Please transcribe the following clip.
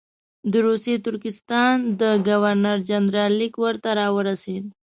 د روسي ترکستان د ګورنر جنرال لیک ورته راورسېد.